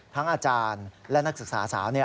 อาจารย์และนักศึกษาสาว